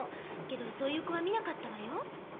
けどそういう子は見なかったわよ。